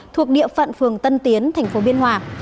thuộc địa phận phường tân tiến tp biên hòa